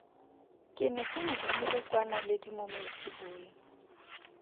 Ke ne ke mo romile kwa Naledi mo maitsiboeng.